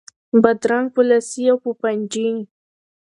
بادرنګ په لسي او په پنجي